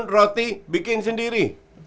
bangun roti bikin sendiri